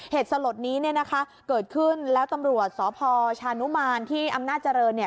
สลดนี้เนี่ยนะคะเกิดขึ้นแล้วตำรวจสพชานุมานที่อำนาจเจริญเนี่ย